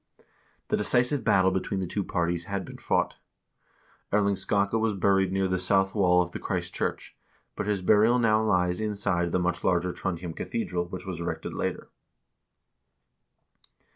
The decisive battle between the two parties had been fought. Erling Skakke was buried near the south wall of the Christ church, but his burial place now lies inside the much larger Trondhjem cathedral which was erected later.